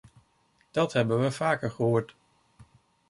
Dat hebben we vaker gehoord.